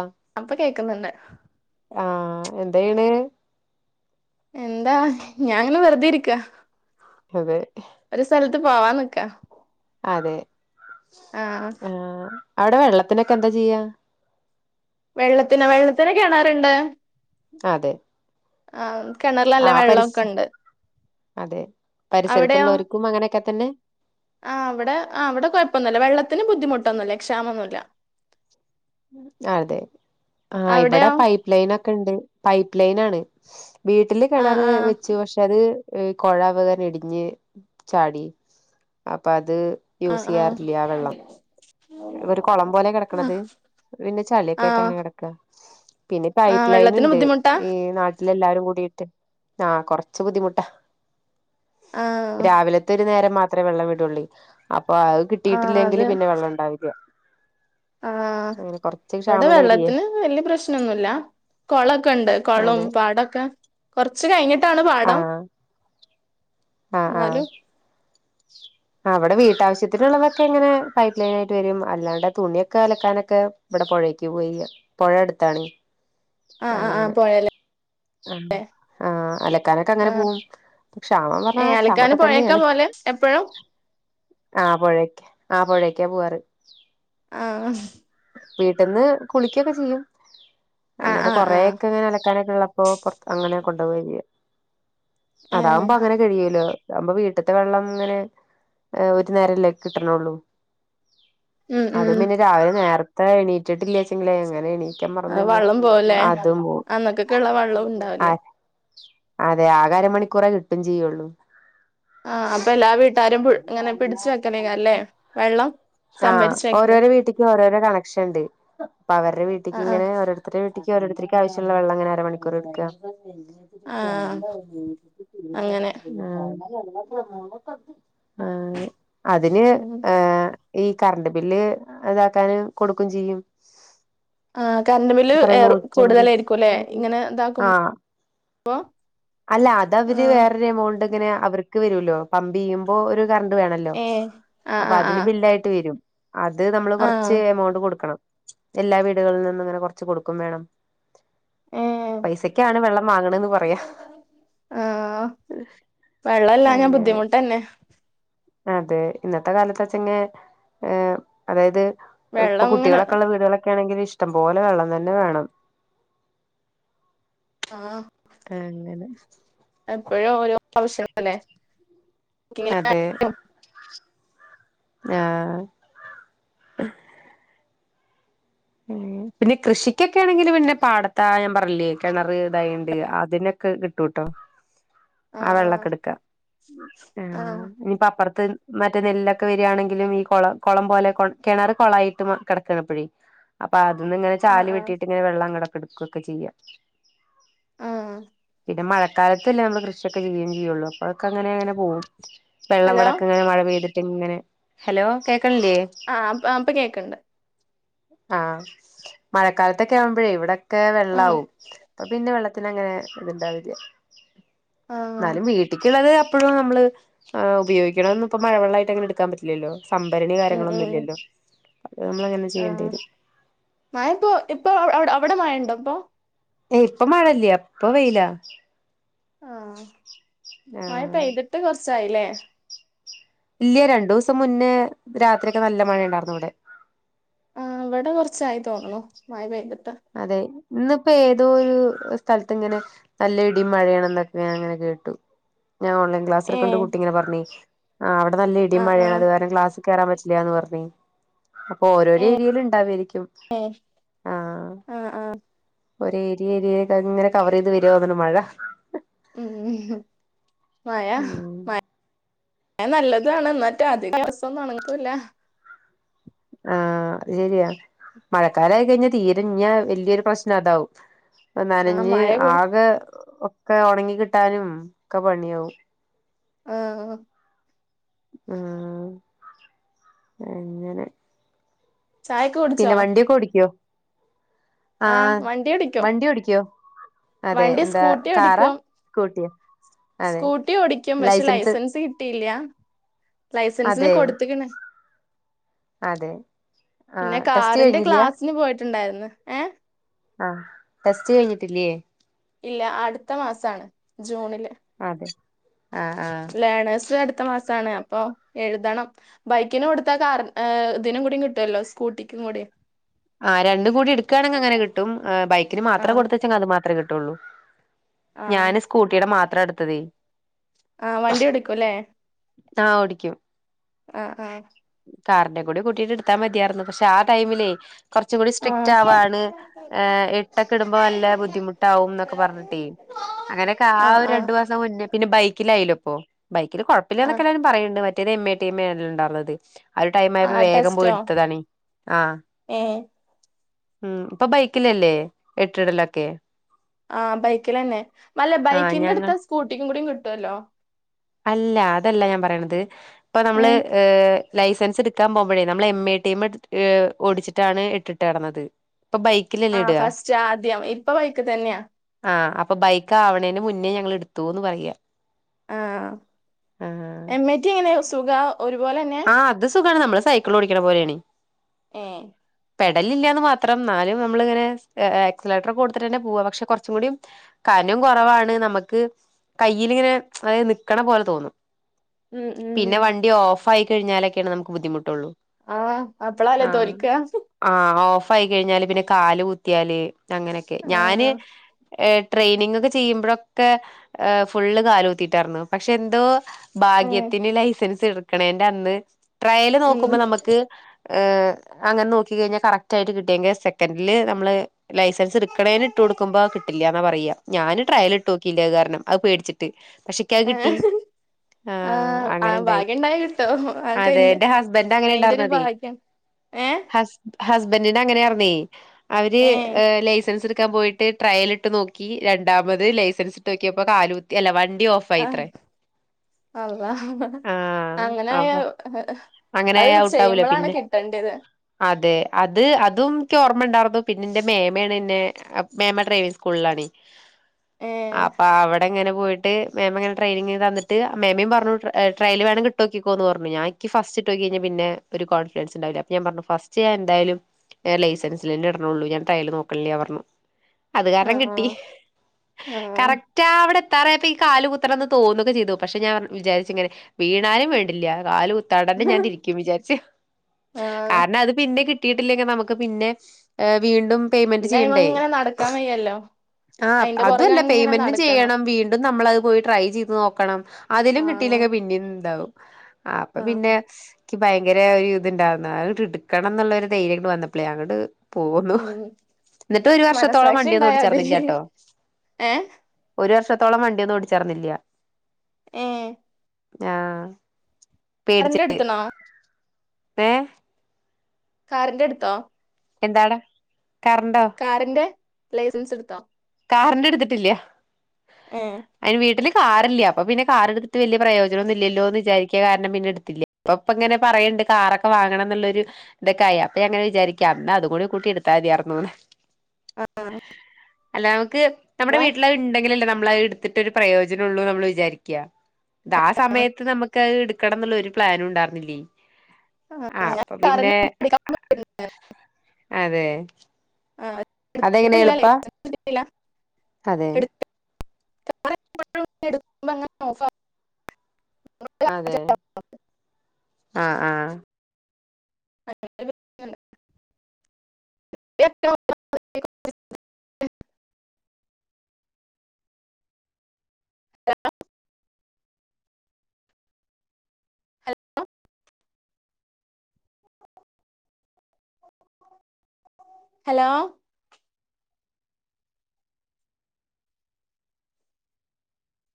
ആഹ്. അപ്പൊ കേക്ക്ന്ന്ണ്ട്. ആഹ് എന്തെയ്യ്ണ്. എന്താ ഞാ ഇങ്ങനെ വെറുതെ ഇരിക്കാ. അതെ ഒരു സ്ഥൽത്ത് പോവാൻനിക്ക. അതെ. ആഹ് ആഹ് അവിടെ വെള്ളത്തിനൊക്കെ എന്താ ചെയ്യാ? വെള്ളത്തിനൊ വെള്ളത്തിന് കെണറ്ണ്ട്. അതെ. ആഹ് കിണറിൽ നല്ല ആഹ് വെള്ളൊക്കെ പരിസ് ഇണ്ട്. അതെ പരിസരത്തുള്ളവർക്കും അങ്ങനെയൊക്കെ തന്നെ. ആഹ് ഇവടെ ആഹ് അവിടെ കുഴപ്പൊന്നുല്ല. വെള്ളത്തിന് ബുദ്ധിമുട്ടൊന്നുല്ല. ക്ഷാമൊന്നുല്ല. അതെ. ആഹ് ഇവിടെ അവിടെയോ പൈപ്പ് ലൈൻ ഒക്കെണ്ട്. പൈപ്പ് ലൈൻ ആണ്. വീട്ടില് ആഹ് കെണർ ആഹ് വെച്ചു. പക്ഷെ ക്ഷെ അത് ഏഹ് കൊള വകാര് ഇടിഞ്ഞ് ചാടി. അപ്പ അത് ആഹ് യൂസ് ആഹ് ചെയ്യാറില്ല. ആ വെള്ളം. ഒരു കുളം പോലെ ആഹ് കെടക്ക്ണത്. പിന്നെ ചളിയൊക്കായിട്ട് ആഹ് അങ്ങനെ കെടക്കാ. പിന്നെ ആഹ് പൈപ്പ് ലൈൻ വെള്ളത്തിന് ഇണ്ട്. ബുദ്ധിമുട്ടാ ഈ നാട്ടിലെല്ലാരും കൂടിയിട്ട് ആഹ് കൊറച്ച് ബുദ്ധിമുട്ടാ. ആഹ് രാവിലത്തെ ഒരു നേരം മാത്രേ വെള്ളം വിടൊള്ളെ. അപ്പൊ അത്. ആഹ് കിട്ടിയിട്ടില്ലെങ്കിൽ അത് പിന്നെ വെള്ളം ഇണ്ടാവില്ല. ആഹ് അങ്ങനെ കൊറച്ച് ഇവിടെ ക്ഷാമള്ള ഏരിയേ വെള്ളത്തിന് വല്യേ പ്രശ്നംഒന്നൂല്ല. കൊളൊക്കെ ഇണ്ട്. കൊളം അതെ പാടൊക്കെ കൊറച്ച് കയിഞ്ഞിട്ടാണ് പാടം. ആഹ് ആഹ്. എന്നാലും ആഹ്. ആഹ് ഇവിടെ വീട്ടാവശ്യത്തിനുള്ളതൊക്കെ ഇങ്ങനെ പൈപ്പ് ലൈൻ ആയിട്ട് വെരും. അല്ലാണ്ട് തുണ്യാെക്കെ അലക്കാനൊക്കെ ഇവിടെ പൊഴേക്ക് പോയില്ല. പൊഴ അടുത്താണെ. ആഹ് ആഹ് ആഹ് പൊയെല് ആ ആ. അലക്കാനൊക്കെ അങ്ങനെ ആഹ് പോവും. ക്ഷാമം പറ്ഞ്ഞാ ക്ഷാമൊക്കെ തന്നെയാണ്. ലെൻ എപ്പഴും. ആ പൊഴേക്ക്. ആ പൊഴേക്കാ പോവാറ്. ആഹ് വീട്ടിന്ന് കുളിക്ക്യാെക്കെ ചെയ്യും. ആഹ് അല്ലാതെ ആഹ് ആഹ് കൊറെയൊക്കെ ഇങ്ങനെ അലക്കാനൊക്കെ ഇള്ള ഇപ്പൊ പൊറത്ത് അങ്ങനെ കൊണ്ടോവേ ചെയ്യും. ഏഹ് അതാവുമ്പം അങ്ങനെ കഴിയോലോ. ഇതാവുമ്പം വീട്ട്ത്തെ വെള്ളം ഇങ്ങനെ ഒരു നേരല്ലേ കിട്ട്‌ണൊളളു. ഉം അത് ഉം പിന്നെ രാവിലെ നേരത്തെ എണീട്ടിട്ടില്ലേച്ചെങ്കി അങ്ങനേനി. ത്യം അത് പറഞ്ഞയിഞ്ഞ വള്ളം പോവുല്ലേ അതും പോവും. അന്നക്കൊക്കെള്ള വള്ളവും ഉണ്ടാവില്ല ആഹ് അതെ ആക അരമണിക്കൂറാ കിട്ടും ചിയ്യൊള്ളൂ ആഹ് അപ്പൊ എല്ലാ വീട്ടാരും പുൾ ഇങ്ങനെ പിടിച്ച് വെക്കലേയ്കാരം ല്ലേ വെള്ളം ആഹ് സംഭരിച്ച് വെക്കല് ഓരോരോ വീട്ടിക്ക് ഓരോരോ കണക്ഷൻ ണ്ട് അപ്പൊ അവര്ടെ വീട്ട്ക്ക് ആഹ് ആഹ് ഇങ്ങനെ ഓരോരു ത്തരെ വീട്ട്യിക്ക് ഓരോരുത്തര്ക്ക് ആവശ്യള്ള വെള്ളം ഇങ്ങനെ അരമണിക്കൂറ് ഇട്ക്കാ ആഹ് അങ്ങനെ ആഹ് ആഹ് അതിന് ഉം ഏഹ് ഈ കറണ്ട് ബില്ല് ഇതാക്കാന് കൊടുക്കും ചെയ്യും ആഹ് കറണ്ട് ബില്ല് എത്ര ഏറ് നൂറ്റമ്പത് കൂട്തലേയിരിക്കുംല്ലെ ഇങ്ങനെ ഇതാക്കു ആഹ് അല്ല അതവര് ആഹ് വേറൊരു എമൗണ്ട് ഇങ്ങനെ അവർക്ക് വെരൊല്ലോ പമ്പ് ചെയ്യുമ്പോ ഒരു കറണ്ട് വേണല്ലോ ഏഹ് അപ്പ ആഹ് അതിന് ആഹ് ബില്ലായിട്ട് വെരും അത് നമ്മള് ആഹ് കൊറച്ച് എമൗണ്ട് കൊടുക്കണം എല്ലാ വീടുകളിൽ നിന്നും ഇങ്ങനെ കൊർച്ച് കൊടുക്കും വേണം ആഹ് ഏഹ് പൈസക്കാണ് വെള്ളം വാങ്ങ്ണ്ന്ന് ആഹ് വെള്ളല്ലാഞ്ഞാ അങ്ങനെ ബുദ്ധിമുട്ടെന്നെ അതെ ഇന്നത്തെ കാലത്താച്ചെങ്ങെ ഏഹ് അതായത് എഹ് വെള്ളം ഇങ്ങനെ ഇപ്പകുട്ടികളൊക്കെള്ള വീടുകളൊക്കേണെങ്കില് ഇഷ്ടം പോലെ വെള്ളം തന്നെ വേണം ആഹ് അങ്ങനെ എപ്പഴും ഓരോ ആവശ്യം ങ്ങളല്ലേ അതെ ആഹ് അങ്ങനെ പിന്നെ കൃഷിക്കെക്കേണെങ്കില് പിന്നെ പാടത്താ ഞാൻ പറഞ്ഞിലേ കെണറ് ഇതായിണ്ട് അതിന് ക്കഹ് കിട്ടൂട്ടോ [inaudible] ആ വെള്ളൊക്കെ ഇട്ക്കാ ആ ആഹ് ആ ഇഞ്പ്പൊ അപ്പർത്ത് മറ്റേ നെല്ലൊക്കെ വെരാണെങ്കിലും ഈ കൊള കൊളം പോലെ കെണറ് കൊളായിട്ട് മ കെടക്കാണ് ഇപ്പഴേ അപ്പ അതിന്ന് ഇങ്ങനെ ആ ചാല് വെട്ടിട്ട് ആ ഇങ്ങനെ വെള്ളം അങ്ങടൊക്കെ ഇട്ക്കൊക്കെ ചെയ്യാ ആഹ് പിന്നെ മഴക്കാലത്തല്ലേ നമ്മള് കൃഷിയൊക്കെ ചെയ്യും ചെയ്യൊള്ളൂ അപ്പൊ അഹ് ഒക്കെ അങ്ങനേങ്ങനെ പോവും വെള്ളം ഹലോ ഇവടൊക്കെ ഇങ്ങനെ മഴ പെയ്തിട്ട് ഇങ്ങനെ ഹലോ കേക്കണില്ലേ ആം ആംപ്പ കേക്ക്ണ്ട് ആഹ് മഴക്കാൽത്തെക്കെ ആവുമ്പഴേ ഇവ്ടൊക്കെ ആ വെള്ളാവും അപ്പൊ പിന്നെ വെള്ള ത്തിനങ്ങനെ ഇത്ണ്ടാവില്ല്യ ആ ന്നാലും വീ ട്ടിക്ക് വെള്ളം എപ്പഴും നമ്മള് എഹ് ഉപയോഗിക്ക്ണതൊന്നും ഇപ്പോ മഴവെള്ളായിട്ട് അങ്ങനെ ഇട്ക്കാൻ പറ്റില്ലല്ലോ സംഭരണി ഉം ഉം ഉം കാര്യങ്ങളൊന്നുല്ല്യല്ലോ അത് നമ്മൾ അങ്ങനെ ആ ചെയ്യെണ്ടിയെരും മഴ പ്പോ ഇപ്പൊ അവ് അവ്ടെ അവിടെ മയണ്ടോ പ്പോ ഏയ് ഇപ്പ മഴല്ല്യ ഇപ്പ വെയിലാ ആഹ് മഴ ആഹ് പെയ്തിട്ട് കൊർച്ചായില്ലേ ഇല്ല്യ രണ്ടു ദിവസം മുന്നേ രാത്രിയൊക്കെ നല്ല മഴേണ്ടാർന്നു ഇവ്ടെ ഇവടെ കൊർച്ചായി തോന്ന്ണു മഴ പെയ്തിട്ട് അതെ ഇന്ന്പ്പൊ ഏതോ ഒരു സ്ഥലത്ത് ഇങ്ങനെ നല്ല ഇടിം മഴയാണ്ന്നൊക്കെ ഞാൻ ഇങ്ങനെ കേട്ടു ഞാൻ ഓൺലൈൻ ഏ ക്ലാസ്സ്ട്ക്ക്ണ്ട കുട്ടി ഇങ്ങനെ പർഞ്ഞെയ് ആഹ് അവടെ നല്ല ആ ഇടിം ആ മഴയാണ് അത് കാരണം ക്ലാസ് കേറാൻ പറ്റില്ല്യാന്ന് പറഞ്ഞെ അപ്പൊ ഓരോരൊ ഏരിയേല് ഇണ്ടാവേയ്രിക്കും ഏഹ് ആഹ് ആഹ് ഒർ ഏരിയഏരിയാട്ടങ്ങനെ കവറെയ്ത് വെരാ തോന്ന്ണ് മഴ ഉം മഴ ഉം മ ഴ നല്ലതുവാണ് എന്നിട്ട് അധികം ഡ്രെസ്സൊന്നും ഓണക്കൂല്ല അഹ് അത് ശരിയാ മഴക്കാലായി കഴിഞ്ഞാൽ തീര ഞ്ഞാ വലിയൊരു പ്രശ്നം അതാവും ആ നനഞ്ഞ് മഴ കൂ ആകെ ഒക്കെ ഉണങ്ങി കിട്ടാനും ഒക്കെ പണിയാവും ആഹ് അഹ് അങ്ങനെ ചായൊക്കെ പിന്നെ കുടിച്ചോ വണ്ടിയൊക്കെ ഓടിക്കോ ആ അഹ് വണ്ടി ഓടിക്കോ വണ്ടി ഓടിക്കോ അതെ വണ്ടി എന്താ സ്കൂട്ടി കാറാ ഓടിക്കും സ്കൂട്ടിയാ സ്കൂട്ടി ഓടിക്കും പക്ഷെ ലൈസൻസ് കിട്ടിയില്ല ലൈസൻസിന് അതെ കൊടുത്തക്കണ് അതെ പിന്നെ ആഹ് ടെസ്റ്റ് കാറിന്റെ കഴിഞ്ഞില്ല്യ ക്ലാസിന് പോയിട്ടുണ്ടായിരുന്നു ഏ അഹ് ടെസ്റ്റ് കഴിഞ്ഞിട്ടില്ലേ ഇല്ല അടുത്ത മാസസാണ് ജൂണില് അതെ അഹ് അഹ് ലേയേർണേഴ്‌സ് അടുത്ത മാസാണ് അപ്പൊ എഴുതണം ബൈക്കിന് കൊടുത്ത കാർ ഏഹ് ഇതിനും കൂടും കിട്ടുല്ലോ സ്കൂട്ടിക്കും കൂടി അഹ് രണ്ട് കൂടി എടുകയാണെങ്കിൽ അങ്ങനെ കിട്ടും ഉഹ് ബൈക്കിന് മാത്രം ആഹ് കൊടുത്തച്ചെങ്കിൽ അത് മാത്രേ കിട്ടുള്ളൂ ആഹ് ഞാന് സ്കൂട്ടീടെ മാത്ര എടുത്തത് അഹ് വണ്ടി ഓടിക്കുല്ലേ ആഹ് ഓടിക്കും അഹ് അഹ് കാറിന്റെ കൂടി കൂട്ടിട്ട് എടുത്താ മതിയായിരുന്നു പക്ഷെ ആ ടൈമിലേ കുറച്ചും കൂടി സ്ട്രിക്ട് ആഹ് ആവാണ് ഏ എട്ടൊക്കെ ഇടുമ്പോ നല്ല ബുദ്ധിമുട്ടാവും എന്നൊക്കെ പറഞ്ഞിട്ടെ അങ്ങനെയൊക്ക ആഹ് ആഒരു ആഹ് രണ്ടു മാസം മുന്നേ പിന്നെ ബൈക്കിലായാലോ അപ്പോ ബൈക്കില് കുഴപ്പില്ലന്നൊക്കെ ആഹ് എല്ലാരും പറയുന്നുണ്ട് മറ്റേത് എം എ ടി എം എ എല്ലാ ഉണ്ടായിരുന്നത് അഒരു ടൈം ആയപ്പോ ആഹ് വേഗം പോയി ടെസ്റ്റോ എടുത്തതാണെ അഹ് ഏഹ് ഹ്മ്മ് ഇപ്പൊ ബൈക്കിലല്ലേ എട്ടിടലൊക്കെ അഹ് ബൈക്കിൽന്നെ അല്ല ആഹ് ബൈക്കിന്റെ ഞങ്ങൾ അടുത്ത സ്കൂട്ടിന്റെ കൂടി കിട്ടുവല്ലോ അല്ല അതല്ല ഞാൻ പറയണത് ഇപ്പൊ നമ്മള് ഏഹ് ഏ ലൈസൻസ് എടുക്കാൻ പോകുമ്പോഴേ നമ്മൾ എം എ ടി ഏഹ് ഓടിച്ചിട്ടാണ് എട്ടിട്ട്ടന്നത് ഇപ്പ ബൈ അഹ് ഫസ്റ്റ് ആദ്യം ഇപ്പ ബൈക്കി തന്നെയാ ആഹ് അപ്പൊ ബൈക്ക് ആവണേന മുന്നേ ഞങ്ങ എടുത്തുന്ന് പറയാ അഹ് ആഹ് എം എയ്റ്റി എങ്ങനെ സുഖ ഒരുപോലെനെ അഹ് അത് സുഖാണ് നമ്മള് സൈക്കിൾ ഓടിക്കുന്ന പോലെയാണ് ഏ പെടലില്ലാന്ന് മാത്രം ന്നാലും നമ്മളിങ്ങനെ എക്സലേറ്റർ കൊടുതിട്ട് തന്നെ പോവ പക്ഷെ കുറച്ചും കൂടി കനം കുറവാണ് നമുക്ക് കയ്യിലിങ്ങനെ അതായത് നിക്കണ പോലെ തോന്നും ഉം ഉം പിന്നെ വണ്ടി ഓഫ് ആയി കഴിഞ്ഞാലൊക്കെയാണ് നമുക്ക് ബുദ്ധിമുട്ടുള്ളൂ ആഹ് അപ്പളല്ലേ തോല്ക്കാ അഹ് ഓഫ് ആയി കഴിഞ്ഞാല് പിന്നെ കാല് കുത്തിയാല് അങ്ങനെയൊക്കെ ഞാന് ആഹ് ഏഹ് ട്രെയിനിങ് ഒക്കെ ചെയ്യുമ്പോഴൊക്കെ ഏഹ് ഫുള്ള് കാല് കുത്തിട്ടായിരുന്നു പക്ഷെ എന്തോ ഉം ഭാഗ്യത്തിന് ലൈസൻസ് എടുക്കണേന്റെ അന്ന് ട്രയല് ഉം നോക്കുമ്പോ നമുക്ക് ഏ അങ്ങനെ നോക്കി കഴിഞ്ഞാൽ കറക്റ്റ് ആയിട്ട് കിട്ടിയെങ്കിൽ സെക്കൻഡില് നമ്മള് ലൈസൻസ് ഇറക്കണേന് ഇട്ടുകൊടുക്ക്ബോ കിട്ടില്ലാന്ന പറയാ ഞാന് ട്രയൽ ഇട്ട് നോക്കില്ലേ അത് കാരണം അത് പേടിച്ചിട്ട് പക്ഷിക്കത് കിട്ടി ഏഹ് അഹ് ആഹ് അങ്ങനെ ആഹ് ഇണ്ടായി ഭാഗ്യണ്ടായ കിട്ടും അതൊക്കെ അയിന്റെ അതെന്റെ ഹസ്ബൻഡ് അങ്ങനെ അയിന്റെ ഒരു ഉണ്ടായിർന്നതെ ഭാഗ്യാണ് ഏഹ് ഹസ് ഹസ്‌ബെന്റിന് അങ്ങനെയാർന്നെ അവര് ഏഹ് ലൈസൻസ് എടു ക്കാം പോയിട്ട് ട്രയലിട്ട് നോ‌ക്കി രണ്ടാമത് ലൈസൻസ് ഇട്ട് നോക്കിയപ്പോ കാലു കുത്തി അല്ല വണ്ടി ഓഫ് ആഹ് അല്ലാഹ് ആഹ് അങ്ങ നായാ അപ്പൊ അങ്ങനെയായ അത് ഔട്ടാവൂലേ ചെയ്യുമ്പളാണ് പിന്നെ കിട്ടെണ്ട്യത് അതെ അത് അതും ഇക്ക് ഓർമ്മണ്ടായിർന്നു പിന്നെ ഇന്റെ മേമയാണ് ഇന്നെ മേമ്മ ഡ്രൈവിങ്ങ് സ്കൂളിലാണെ [inaudible] അപ്പ അവ്ടെ ങ്ങനെ പോയിട്ട് മേമ്മയിങ്ങനെ ട്രെനിങ് തന്നിട്ട് മേമ്മിം പറഞ്ഞു ട്രയിൽ വെണങ്കിൽ ഇട്ട് നോക്കി യോക്കിക്കോന്ന് ഞാൻ ഇക്ക് ഫസ്റ്റ് നോക്കിയാ പിന്നെ ഒരു കോൺഫിഡൻസ് ഇണ്ടാവില്ല അപ്പ ഞാ പറഞ്ഞു ഫസ്റ്റ് ഞാൻ എന്തായാലും ഞാൻ ലൈസൻസിലന്നെ ഇട്ണൊള്ളൂ ഞാൻ ട്രായൽ നോക്ക്ണില്ല്യ പറഞ്ഞു അത് കാരണം ആഹ് കിട്ടി ആഹ് ആഹ് കറക്റ്റ് ആ അവിടെ എത്താറായപ്പോ ഈ കാല് കുത്തണംന്ന് തോന്നൊക്കെ ചെയ്തു പക്ഷെ ഞാൻ വിചാരിച്ചിങ്ങനെ വീണാനും വേണ്ടില്ല കാല് കുത്താണ്ടെന്നെ ഞാൻ തിരിക്കും വിചാരിച്ച് ആഹ് കാരണം അത് പിന്നെ കിട്ടിയിട്ടില്ലെങ്കി നമുക്ക് പിന്നെ വീണ്ടും പേയ്മെന്റ് പിന്നെ അയിമ ചെയ്യണ്ടേ? ഇങ്ങനെ നടക്കാൻ വയ്യല്ലോ ആഹ് അയിന്റെ അതും പുറകെ അല്ല അങ്ങനെ പേയ്മെന്റും നടക്കണം ചെയ്യണം വീണ്ടും നമ്മളത് പോയി ട്രൈ ചെയ്ത് നോക്കണം അതിലും ആഹ് കിട്ടിയില്ലെങ്കി പിന്നിം ഇണ്ടാവും അപ്പൊ ആഹ് പിന്നെ ഇക്ക് ഭയങ്കര ഒരു ഇത്ണ്ടായിരുന്ന അഹ് ഇങ്ങട്ട് ഇടുക്കണം എന്നുള്ളൊരു ധൈര്യംങ്ങട്ട് വന്നപ്പളേ അങ്ങട് പോന്നു ഉം എന്നെട്ട് ഒരു വർഷത്തോളം മനസാക്ഷി വണ്ടിയൊന്നും ഉണ്ടായാ മതി ഓടിച്ചാർന്നില്ലാട്ടോ ഏഹ് ഒരു വർഷത്തോളം വണ്ടിയൊന്നും ഓടി ച്ചാർന്നില്ല്യ ഏഹേ ങ്ങാഹ് കറ്ന്റെ എടുത്ത്ണോ? ഏഹ് കാറിന്റെ എടുത്തോ? എന്താഡാ കറണ്ടോ? കാറിന്റെ ലൈസൻസ് എടുത്തോ? കാറിന്റെ ഇടുത്തിട്ടില്ല ഏഹേ അയിന് വീട്ടില് കാറില്ല്യ അപ്പൊ പിന്നെ കാറെടുത്ത് വല്ല്യ പ്രയോജനൊന്നുല്യല്ലോന്ന് വിചാരിക്ക കാരണം പിന്നെ എടുത്തില്ല ഇപ്പം ഇപ്പങ്ങനെ പറയ്ണ്ട് കാറൊക്കെ വാങ്ങണം എന്നുള്ളൊരു ഇതൊക്കെയി അപ്പൊ ഞാ ഇങ്ങനെ വിചാരിക്കാ അന്ന് അത് കൂടി കൂട്ടി ഇടുത്താ മതിയായിർന്നൂന്ന് ആഹ് അല്ല നമുക്ക് നമ്മുടെ ഞാൻ വീട്ടില് അത് ഇണ്ടെങ്കിലല്ലേ നമ്മളത് ഇടുത്തിട്ട് ഒരു പ്രയോജനൊള്ളൂന്ന് നമ്മള് വിചാരിക്ക അത് ആ സമയത്ത് നമുക്ക് അഹ് എടുക്കണം എന്നുള്ള ഒരു പ്ലാനും ഇണ്ടായിരുന്നില്യാ ആഹ് ഞാൻ അപ്പൊ പിന്നെ കാറിന്റെ പഠിക്കാൻ പോയിരുന്നു അതെ ആഹ് അതെങ്ങനെ ഇടത്ത്ട്ടില്ല എളുപ്പാ ലൈസൻസ് ഇട്ത്തിട്ടില്ല അതെ എട്ക്കണം [unintelligible] അതെ ആഹ് ആഹ് [unintelligible] [unintelligible] ഹലോ ഹലോ